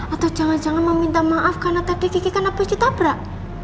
atau jangan jangan mau minta maaf karena tadi gigi kena puji tabrak